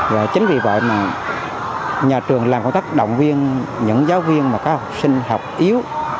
và chính vì vậy mà nhà trường làm công tác động viên những giáo viên mà các học sinh học yếu